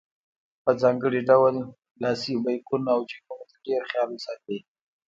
په ځانګړي ډول لاسي بیکونو او جیبونو ته ډېر خیال وساتئ.